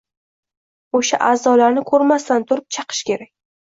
o‘sha – a’zolarni ko‘rmasdan turib chaqish kerak.